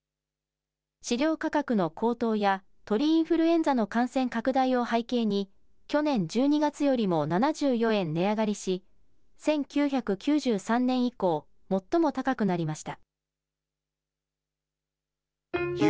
飼料価格の高騰や鳥インフルエンザの感染拡大を背景に、去年１２月よりも７４円値上がりし、１９９３年以降、最も高くなりました。